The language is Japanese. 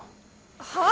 はあ！？